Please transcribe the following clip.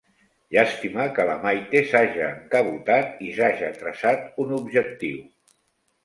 Llàstima que la Maite s'haja encabotat i s'haja traçat un objectiu.